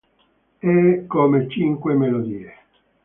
È come cinque melodie.